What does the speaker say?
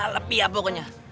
lebih ya pokoknya